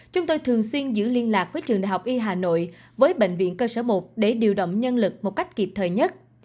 chúng tôi thường xuyên giữ liên lạc với trường đại học y hà nội với bệnh viện cơ sở một để điều động nhân lực một cách kịp thời nhất